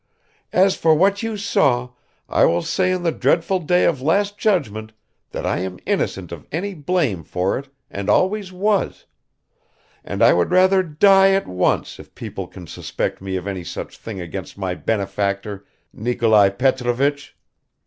"As for what you saw, I will say on the dreadful day of last judgment that I am innocent of any blame for it and always was, and I would rather die at once if people can suspect me of any such thing against my benefactor, Nikolai Petrovich